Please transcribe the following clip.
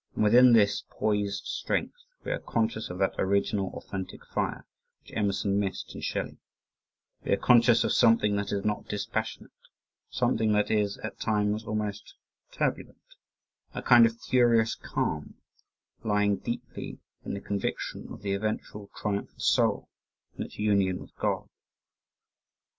And within this poised strength, we are conscious of that "original authentic fire" which Emerson missed in Shelley we are conscious of something that is not dispassionate, something that is at times almost turbulent a kind of furious calm lying deeply in the conviction of the eventual triumph of the soul and its union with God!